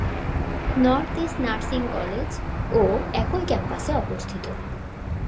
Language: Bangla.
নর্থ ইস্ট নার্সিং কলেজ ও একই ক্যাম্পাসে অবস্থিত।